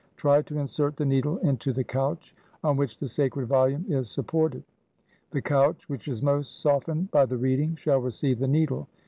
Try to insert the needle into the couch on which the sacred volume is sup ported. The couch which is most softened by the reading shall receive the needle.